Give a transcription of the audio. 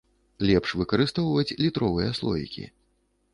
Лепш выкарыстоўваць літровыя слоікі.